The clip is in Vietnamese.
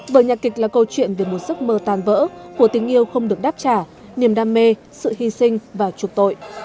bởi nhạc kịch là câu chuyện về một giấc mơ tàn vỡ của tình yêu không được đáp trả niềm đam mê sự hy sinh và trục tội